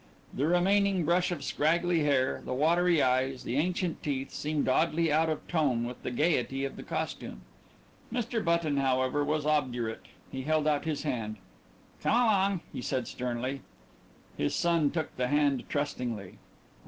The remaining brush of scraggly hair, the watery eyes, the ancient teeth, seemed oddly out of tone with the gaiety of the costume. Mr. Button, however, was obdurate he held out his hand. "Come along!" he said sternly. His son took the hand trustingly.